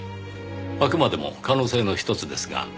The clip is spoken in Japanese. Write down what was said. あくまでも可能性のひとつですが。